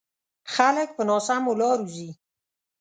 خلک په ناسمو لارو ځي.